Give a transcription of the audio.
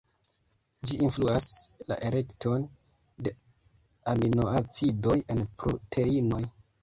Ĝi influas la elekton de aminoacidoj en proteinoj.